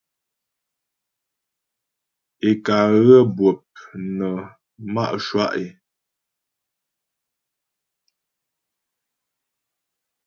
Ě ká ghə́ bwɔp nə má' shwá' é.